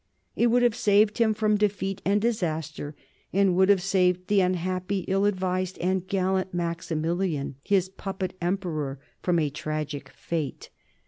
It would have saved him from defeat and disaster, and would have saved the unhappy, ill advised, and gallant Maximilian, his puppet emperor, from a tragic fate.